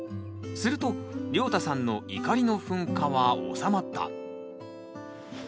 するとりょうたさんの怒りの噴火はおさまった。